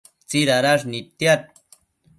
tsidadash nidtiad